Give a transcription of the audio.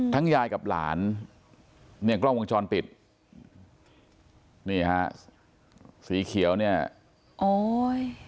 ยายกับหลานเนี่ยกล้องวงจรปิดนี่ฮะสีเขียวเนี่ยโอ้ย